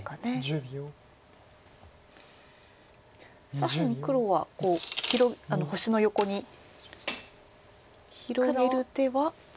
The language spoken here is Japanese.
左辺黒は星の横に広げる手は？